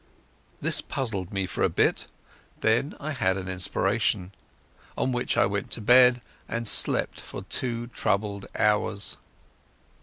This puzzled me for a bit; then I had an inspiration, on which I went to bed and slept for two troubled hours.